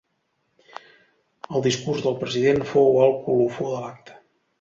El discurs del president fou el colofó de l'acte.